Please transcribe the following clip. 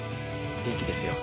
元気ですよ。